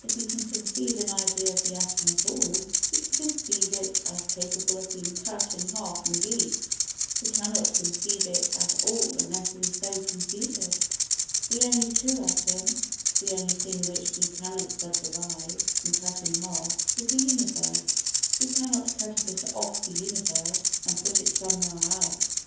If we can conceive an idea of the atom at all, we can conceive it as capable of being cut in half indeed, we cannot conceive it at all unless we so conceive it. The only true atom, the only thing which we cannot subdivide and cut in half, is the universe. We cannot cut a bit off the universe and put it somewhere else.